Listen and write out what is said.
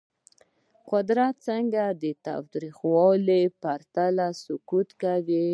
قدرت څنګه له تاوتریخوالي پرته سقوط کوي؟